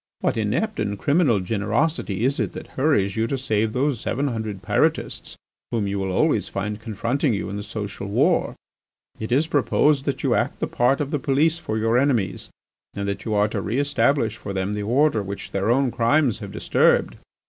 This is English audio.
What inept and criminal generosity is it that hurries you to save those seven hundred Pyrotists whom you will always find confronting you in the social war? "It is proposed that you act the part of the police for your enemies, and that you are to re establish for them the order which their own crimes have disturbed.